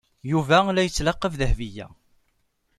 Yuba la yettlaqab Dahbiya.